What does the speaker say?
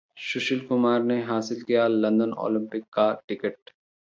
सुशील कुमार ने हासिल किया लंदन ओलंपिक का टिकट